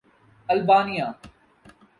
Albania